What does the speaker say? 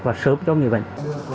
và sớm cho người bệnh